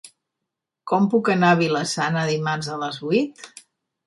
Com puc anar a Vila-sana dimarts a les vuit?